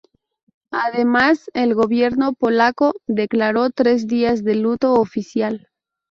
Además, el gobierno polaco declaró tres días de luto oficial.